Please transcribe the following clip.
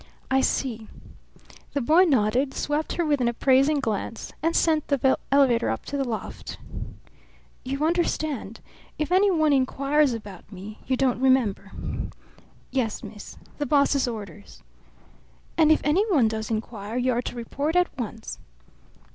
"I see." The boy nodded, swept her with an appraising glance, and sent the elevator up to the loft. "You understand? If any one inquires about me, you don't remember." "Yes, miss. The boss's orders." "And if any one does inquire you are to report at once."